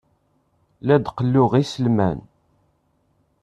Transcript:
La d-qelluɣ iselman.